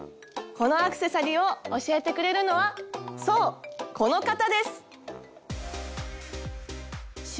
このアクセサリーを教えてくれるのはそうこの方です！